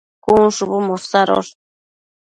cun shubu mosadosh